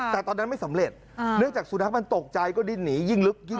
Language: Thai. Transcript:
แต่ตอนนั้นไม่สำเร็จเนื่องจากสุนัขมันตกใจก็ดิ้นหนียิ่งลึกยิ่ง